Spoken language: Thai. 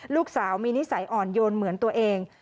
ลูกสาวมีนิสัยอ่อนโยนเหมือนตัวเอง